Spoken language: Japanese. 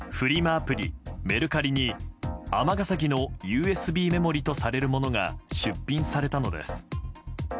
アプリ、メルカリに尼崎のＵＳＢメモリとされるものが出品されたのです。